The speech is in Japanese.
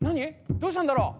どうしたんだろう？